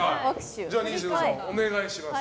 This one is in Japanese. じゃあ、西野さんお願いします。